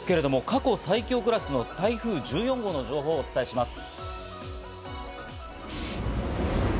過去最強クラスの台風１４号の情報をお伝えします。